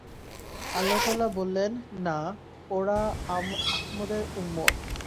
আল্লাহ তাআলা বললেন, না, ওরা আহমদের উম্মত।